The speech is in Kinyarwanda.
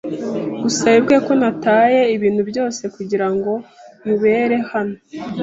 Gusa wibuke ko nataye ibintu byose kugirango nkubere hano.